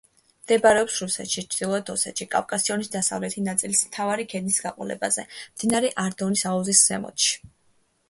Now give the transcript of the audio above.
მდებარეობს რუსეთში, ჩრდილოეთ ოსეთში, კავკასიონის დასავლეთი ნაწილის მთავარი ქედის გაყოლებაზე, მდინარე არდონის აუზის ზემოთში.